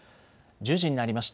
１０時になりました。